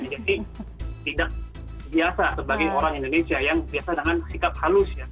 jadi tidak biasa sebagai orang indonesia yang biasa dengan sikap halus ya